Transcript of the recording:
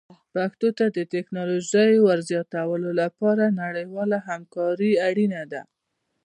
پښتو ته د ټکنالوژۍ ور زیاتولو لپاره نړیواله همکاري اړینه ده.